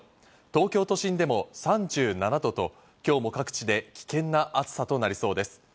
東京都心でも３７度と今日も各地で危険な暑さとなりそうです。